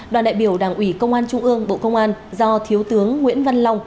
đoàn đại biểu đảng ủy công an trung ương bộ công an do thiếu tướng nguyễn văn long